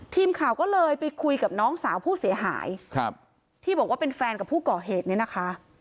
ทีมข่าวก็เลยไปคุยกับน้องสาวผู้เสียหายครับที่บอกว่าเป็นแฟนกับผู้ก่อเหตุเนี่ยนะคะ